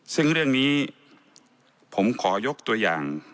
ซึ่งเรื่องนี้ผมขอยกตัวอย่าง